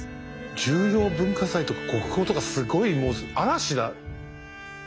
重要文化財とか国宝とかすごいもう嵐だ。